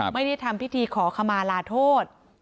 ไม่ได้ทำพิธีขอขมาลาโทษ